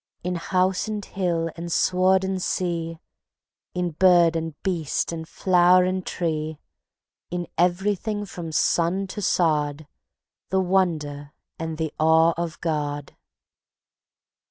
In house and hill and sward and sea, In bird and beast and flower and tree, In everything from sun to sod, The wonder and the awe of God.